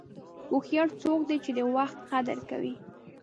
هوښیار څوک دی چې د وخت قدر کوي.